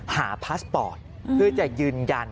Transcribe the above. พาสปอร์ตเพื่อจะยืนยัน